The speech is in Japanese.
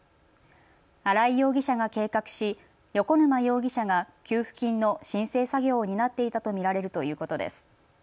新井容疑者が計画し横沼容疑者が給付金の申請作業にを担っていたと見られるということです。